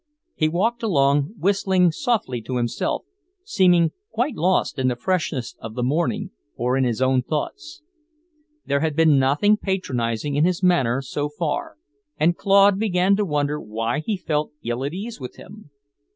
He walked along, whistling softly to himself, seeming quite lost in the freshness of the morning, or in his own thoughts. There had been nothing patronizing in his manner so far, and Claude began to wonder why he felt ill at ease with him.